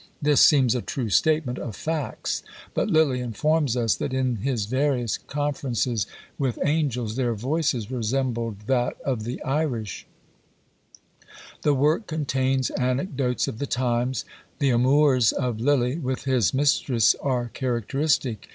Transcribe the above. This seems a true statement of facts. But Lilly informs us, that in his various conferences with angels, their voices resembled that of the Irish! The work contains anecdotes of the times. The amours of Lilly with his mistress are characteristic.